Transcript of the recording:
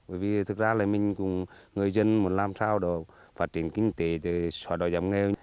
bởi vì thực ra là mình cùng người dân muốn làm sao đó phát triển kinh tế xóa đổi giám nghêu